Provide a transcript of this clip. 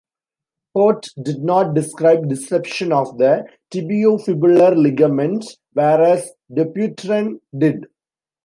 Pott did not describe disruption of the tibio-fibular ligament, whereas Dupuytren did.